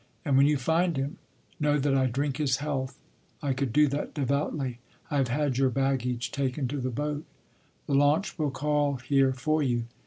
And when you find him—know that I drink his health. I could do that devoutly.... I have had your baggage taken to the boat. The launch will call here for you....